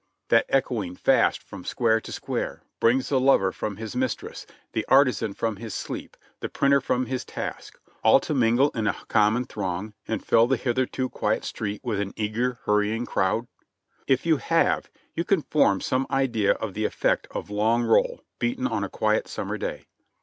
that, echo ing fast from square to square, brings the lover from his mistress, the artisan from his sleep, the printer from his task, — all to mingle in a common throng and fill the hitherto quiet street with an eager, hurrying crowd ? If you have, you can form some idea of the effect of "long roll" beaten on a quiet summer day.